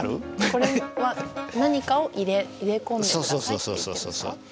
これは何かを入れ込んで下さいって。